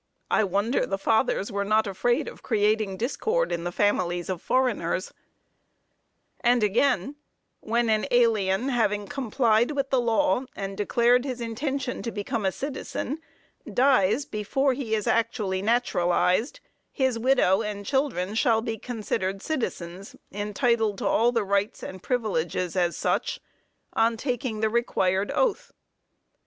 (I wonder the fathers were not afraid of creating discord in the families of foreigners); and again: "When an alien, having complied with the law, and declared his intention to become a citizen, dies before he is actually naturalized, his widow and children shall be considered citizens, entitled to all rights and privileges as such, on taking the required oath."